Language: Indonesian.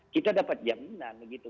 kita dapat jaminan begitu